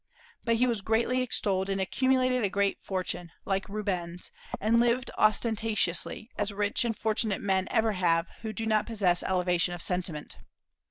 But he was greatly extolled, and accumulated a great fortune, like Rubens, and lived ostentatiously, as rich and fortunate men ever have lived who do not possess elevation of sentiment.